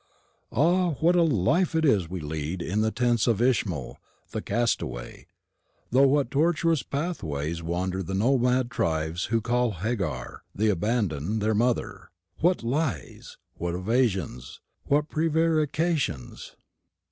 Ah, what a life it is we lead in the tents of Ishmael, the cast away! through what tortuous pathways wander the nomad tribes who call Hagar, the abandoned, their mother! what lies, what evasions, what prevarications!